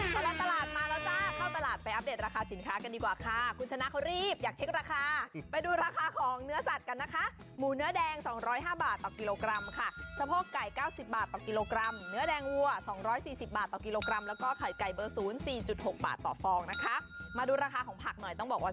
สลัดตลาดมาแล้วจ้าเข้าตลาดไปอัปเดตราคาสินค้ากันดีกว่าค่ะคุณชนะเขารีบอยากเช็คราคาไปดูราคาของเนื้อสัตว์กันนะคะหมูเนื้อแดงสองร้อยห้าบาทต่อกิโลกรัมค่ะสะโพกไก่เก้าสิบบาทต่อกิโลกรัมเนื้อแดงวัวสองร้อยสี่สิบบาทต่อกิโลกรัมแล้วก็ไข่ไก่เบอร์ศูนย์สี่จุดหกบาทต่อฟ